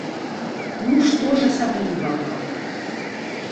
Ну што ж асаблівага!